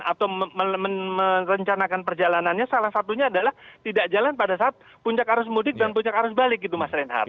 atau merencanakan perjalanannya salah satunya adalah tidak jalan pada saat puncak arus mudik dan puncak arus balik gitu mas reinhardt